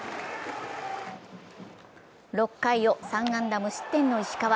６回を３安打無失点の石川。